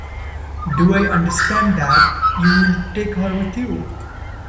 Do I understand that you will take her with you?